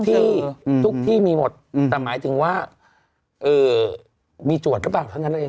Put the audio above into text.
ที่ทุกที่มีหมดแต่หมายถึงว่ามีตรวจหรือเปล่าเท่านั้นเอง